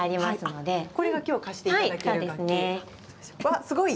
わ、すごい。